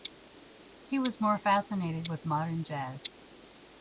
He was more fascinated with modern jazz.